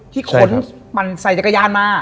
ขนมันใส่จักรยานมา